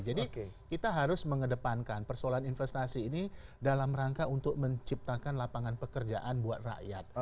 jadi kita harus mengedepankan persoalan investasi ini dalam rangka untuk menciptakan lapangan pekerjaan buat rakyat